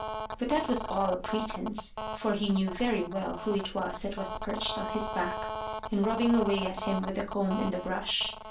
But that was all a pretence, for he knew very well who it was that was perched on his back, and rubbing away at him with the comb and the brush.